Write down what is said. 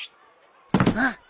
あっ！